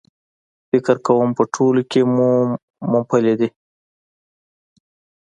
فکر کوم په ټولو کې مومپلي دي.H